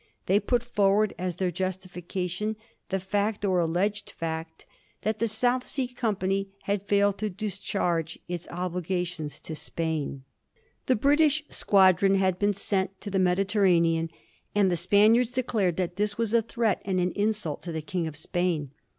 They put forward as their justification the fact, or alleged fact, that the South Sea Company had failed to discharge its obligations to Spain. The British squadron had been sent to the Mediterranean, and the Spaniards declared that this was a threat and an insult to the King of Spain.